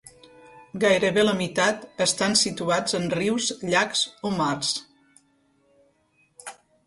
Gairebé la meitat estan situats en rius, llacs o mars.